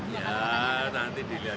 ya nanti dilihat